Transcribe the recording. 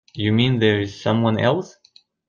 You mean there's someone else?